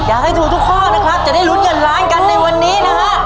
อยากให้ถูกทุกข้อนะครับจะได้ลุ้นเงินล้านกันในวันนี้นะฮะ